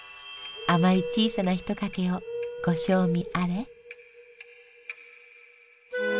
甘い小さな一かけをご賞味あれ。